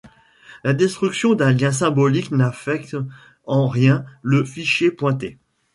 La destruction d'un lien symbolique n'affecte en rien le fichier pointé.